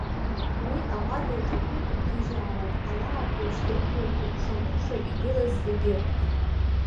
Уи аҟәада иҿашәы дықәгьежьаауан, алаапк еиԥш дрыжәлон икәшамыкәша игылаз зегьы.